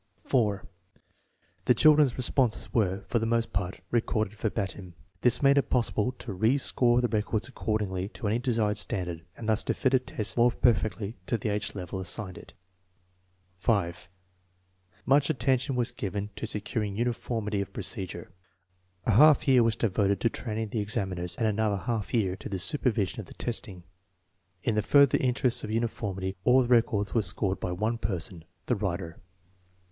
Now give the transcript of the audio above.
4. The children's responses were, for the most part, recorded verbatim. This made it possible to re score the records according to any desired standard, and thus to fit a test more perfectly to the age level assigned it. 5. Much attention was given to securing uniformity of procedure. A half year was devoted to training the ex aminers, and another half year to the supervision of the testing. In the further interests of uniformity all the rec ords were scored by one perspn. (the writer).